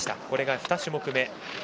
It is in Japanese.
これが２種目め。